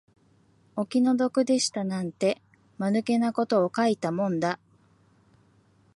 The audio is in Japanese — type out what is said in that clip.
お気の毒でしたなんて、間抜けたことを書いたもんだ